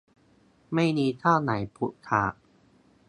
ไม่มีเจ้าไหนผูกขาด